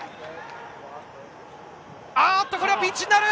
あっと、これはピンチになる。